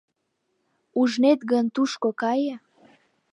— Ужнет гын, тушко кае.